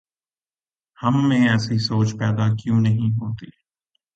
ہم میں ایسی سوچ پیدا کیوں نہیں ہوتی؟